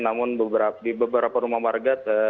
namun di beberapa rumah warga